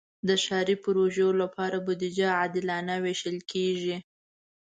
د ښاري پروژو لپاره بودیجه عادلانه ویشل کېږي.